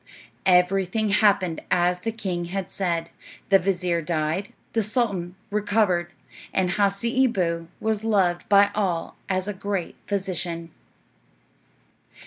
Everything happened as the king had said. The vizir died, the sultan recovered, and Hasseeboo was loved by all as a great physician.